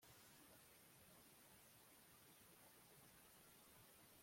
nimwifurize yeruzalemu amahoro